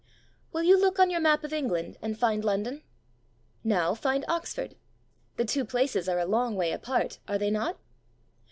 WILL you look on your map of England and find London? Now find Oxford. The two places are a long way apart, are they not?